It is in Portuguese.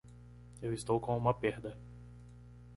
Eu estou com uma perda